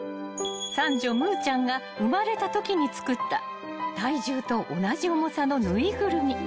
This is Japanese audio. ［三女夢侑ちゃんが生まれたときに作った体重と同じ重さの縫いぐるみ］